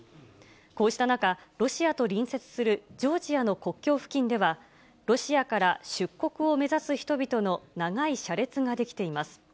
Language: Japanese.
こうした中、ロシアと隣接するジョージアの国境付近では、ロシアから出国を目指す人々の長い車列が出来ています。